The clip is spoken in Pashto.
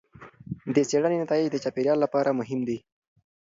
د څېړنې نتایج د چاپیریال لپاره مهم دي.